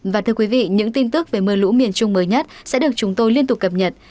và thưa quý vị những tin tức về mưa lũ miền trung mới nhất sẽ được chúng tôi liên tục cập nhật